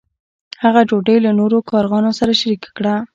هغه ډوډۍ له نورو کارغانو سره شریکه کړه.